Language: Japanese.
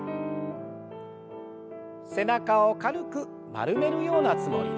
背中を軽く丸めるようなつもりで。